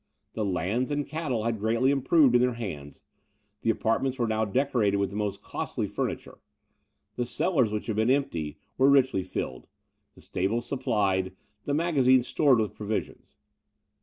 The lands and cattle had greatly improved in their hands; the apartments were now decorated with the most costly furniture; the cellars, which had been left empty, were richly filled; the stables supplied; the magazines stored with provisions.